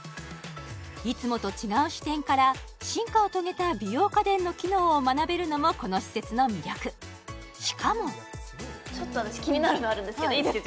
いつもと違う視点から進化を遂げた美容家電の機能を学べるのもこの施設の魅力しかもちょっと私気になるのあるんですけどいいですか？